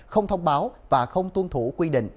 không thông báo và không tuân thủ quy định